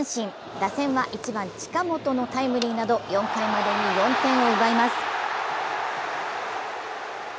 打線は１番・近本のタイムリーなど４回までに４点を奪います。